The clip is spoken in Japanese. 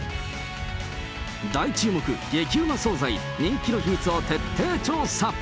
大注目、激ウマ総菜、人気の秘密を徹底調査。